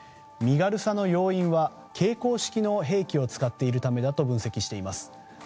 身軽さの要因は携行式の兵器を使っているためだと分析しています。